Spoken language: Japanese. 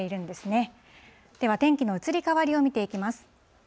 では天気の移り変わりを見ていきます。